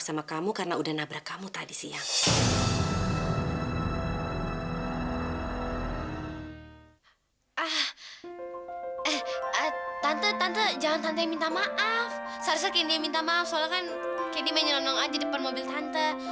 seharusnya candy yang minta maaf soalnya kan candy main nolong nolong aja depan mobil tante